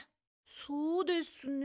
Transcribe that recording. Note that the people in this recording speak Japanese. そうですね。